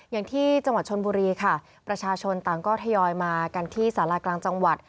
อย่างที่จังหวัดชนบุรีค่ะประชาชนต่างก็ทยอยมากันที่สารากลางจังหวัด